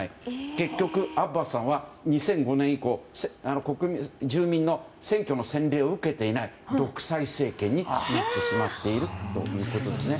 結局、アッバスさんは２００５年以降住民の選挙の洗礼を受けていない独裁政権になってしまっているということです。